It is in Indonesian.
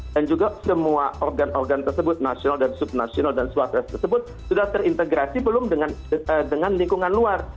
dan juga semua organ organ tersebut nasional dan subnasional dan suatu satu tersebut sudah terintegrasi belum dengan lingkungan luar